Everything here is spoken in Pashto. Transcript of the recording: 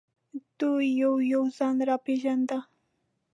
دوی یو یو ځان را پېژانده.